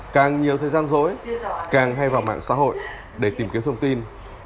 càng nhiều thời gian rỗi càng hay vào mạng xã hội để tìm kiếm thông tin